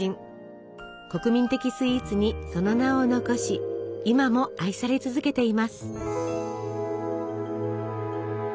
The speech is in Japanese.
国民的スイーツにその名を残し今も愛され続けています。